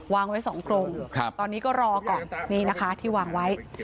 วางไว้๒กรงตอนนี้ก็รอก่อนนี่นะคะที่วางไว้